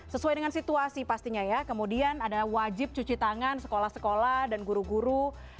sesuai dengan situasi pastinya ya kemudian ada wajib cuci tangan sekolah sekolah dan guru guru